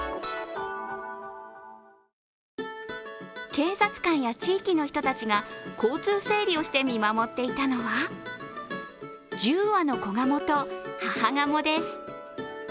警察官や地域の人たちが交通整理をして、見守っていたのは１０羽の子ガモと母ガモです。